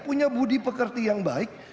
punya budi pekerti yang baik